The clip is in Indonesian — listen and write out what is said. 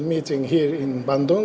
pertemuan tahun ke lima di bandung